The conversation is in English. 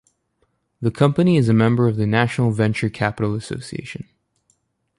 The company is a member of National Venture Capital Association.